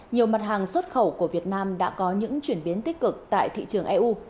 nhiều mặt hàng xuất khẩu của việt nam đã có những chuyển biến tích cực tại thị trường eu